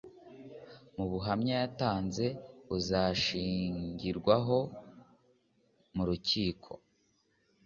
Mu buhamya yatanze buzashingirwaho mu rukiko